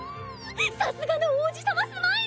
さすがの王子様スマイル！